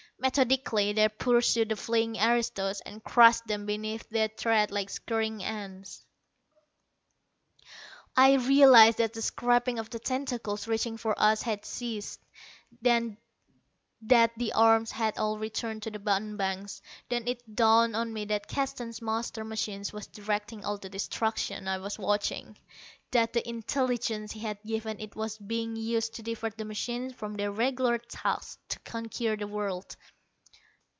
Methodically they pursued the fleeing aristos, and crushed them beneath their tread like scurrying ants. I realized that the scraping of the tentacles reaching for us had ceased, that the arms had all returned to the button banks. Then it dawned on me that Keston's master machine was directing all the destruction I was watching, that the intelligence he had given it was being used to divert the machines from their regular tasks to conquer the world.